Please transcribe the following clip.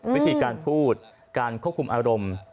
วิธีการพูดการควบคุมอารมณ์